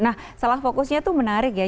nah salah fokusnya itu menarik ya